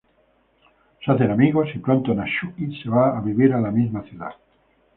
Se hacen amigos, y pronto Natsuki se va a vivir a la misma ciudad.